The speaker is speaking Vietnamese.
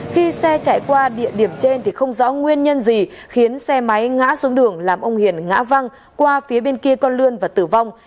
khi xe chạy qua địa điểm trên thì không rõ nguyên nhân gì khiến xe máy ngã xuống đường làm ông hiền ngã văng qua phía bên kia con lươn và tử vong